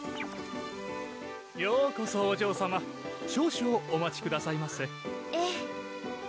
ようこそお嬢さま少々お待ちくださいませええ